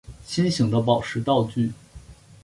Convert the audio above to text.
心形的宝石道具。